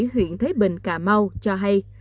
huyện thới bình cà mau cho hay